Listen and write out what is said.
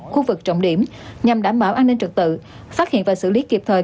khu vực trọng điểm nhằm đảm bảo an ninh trực tự phát hiện và xử lý kịp thời